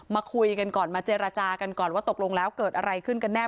มาคุยกันก่อนมาเจรจากันก่อนว่าตกลงแล้วเกิดอะไรขึ้นกันแน่